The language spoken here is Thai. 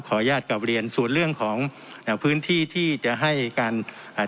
อนุญาตกลับเรียนส่วนเรื่องของอ่าพื้นที่ที่จะให้การอ่า